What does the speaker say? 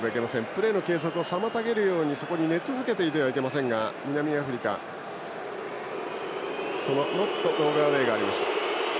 プレーの継続を妨げるように寝続けていてはいけませんが南アフリカノットロールアウェイがありました。